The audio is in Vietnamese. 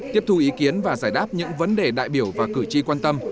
tiếp thu ý kiến và giải đáp những vấn đề đại biểu và cử tri quan tâm